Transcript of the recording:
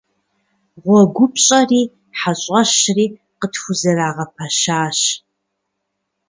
ГъуэгупщӀэри хьэщӀэщри къытхузэрагъэпэщащ.